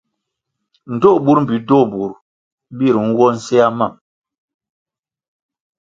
Ndtoh burʼ mbpi ndtoh burʼ bir nwo nsea mam.